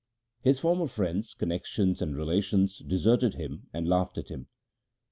His former friends, connexions, and relations deserted him and laughed at him.